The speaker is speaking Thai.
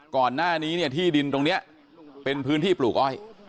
ก่อนหน้านี้เนี่ยที่ดินตรงนี้เป็นพื้นที่ปลูกอ้อย